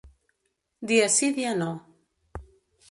Dia sí, dia no.